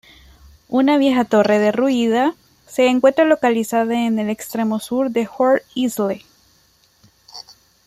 Una vieja torre derruida se encuentra localizada en el extremo sur de Horse Isle.